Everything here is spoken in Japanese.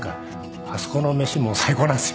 あそこの飯もう最高なんすよ。